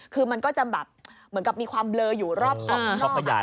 คือมันก็จะแบบเหมือนกับมีความเบลออยู่รอบขอบขยาย